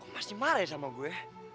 pasti marah ya sama gue